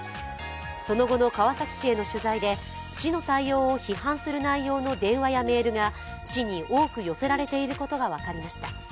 その後の川崎市への取材で市の対応を批判する内容の電話やメールが市に多く寄せられていることが分かりました。